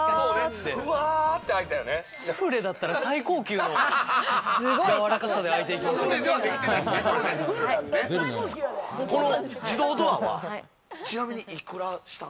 スフレだったら最高級のやわらかさで開いていきました。